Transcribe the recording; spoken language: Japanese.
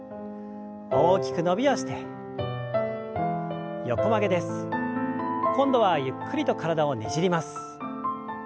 大きく伸びをして横曲げです。今度はゆっくりと体をねじります。